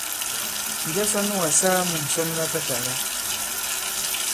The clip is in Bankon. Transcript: Njɛ sɔ nu kà-saa mu ŋ̀sɔn latatàla?